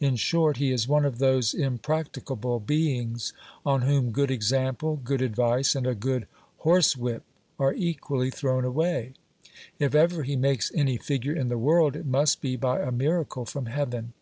In short, he is one of those impracticable beings, on whom good example, good advice, and a good horsewhip, are equally thrown away. If ever he makes any figure in the world, it must be by a miracle from heaven.